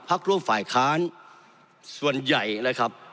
ร่วมฝ่ายค้านส่วนใหญ่นะครับ